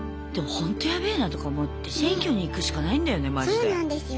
でも本当やべえなとか思って選挙に行くしかないんだよねマジで。